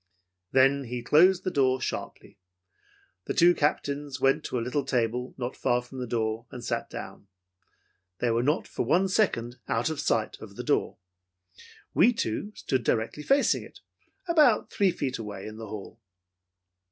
"Then he closed the door sharply. The two Captains went to a little table not far from the door, and sat down. They were not for one second out of sight of the door. "We two stood directly facing it about three feet away in the hall.